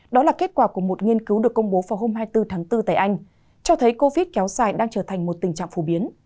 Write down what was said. đó là kết quả của một nghiên cứu được công bố vào hôm hai mươi bốn tháng bốn tại anh cho thấy covid kéo dài đang trở thành một tình trạng phổ biến